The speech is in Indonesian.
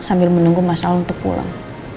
sambil menunggu mas al untuk pulang